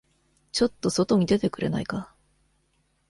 ちょっと外に出てくれないか。